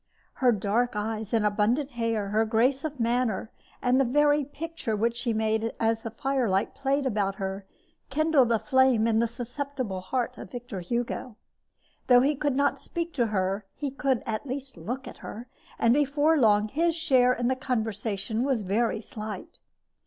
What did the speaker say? Her dark eyes and abundant hair, her grace of manner, and the picture which she made as the firelight played about her, kindled a flame in the susceptible heart of Victor Hugo. Though he could not speak to her, he at least could look at her; and, before long, his share in the conversation was very slight.